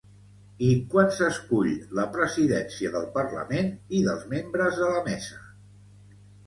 I quan s’escull la presidència del parlament i dels membres de la mesa?